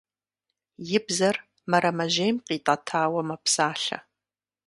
И бзэр мэрэмэжьейм къитӀэтауэ мэпсалъэ.